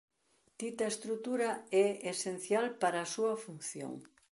Dita estrutura é esencial para a súa función.